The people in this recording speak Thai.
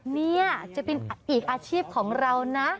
นี่จะเป็นอีกอาชีพของเรานะ